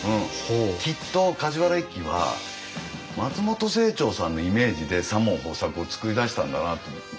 きっと梶原一騎は松本清張さんのイメージで左門豊作を作り出したんだなと思って。